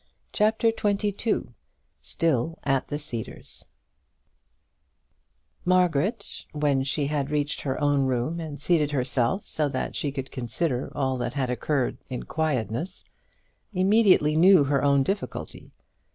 CHAPTER XXII Still at the Cedars Margaret, when she had reached her own room, and seated herself so that she could consider all that had occurred in quietness, immediately knew her own difficulty.